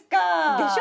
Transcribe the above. でしょ？